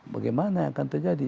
bagaimana akan terjadi